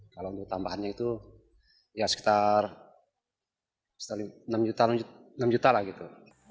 kalau tambahannya itu ya sekitar enam juta lah gitu